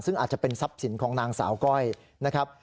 ซึ่งอาจจะเป็นทรัพย์สินของนางสาวก้อยนะครับ